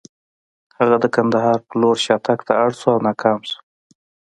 هغه د کندهار په لور شاتګ ته اړ شو او ناکام شو.